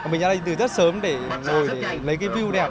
mình ra đây từ rất sớm để ngồi lấy cái view đẹp